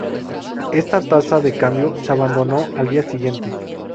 Esta tasa de cambio se abandonó al día siguiente.